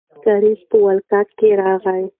کارېز په ولکه کې راغی.